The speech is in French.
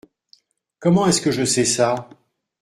Comment est-ce que je sais ça ?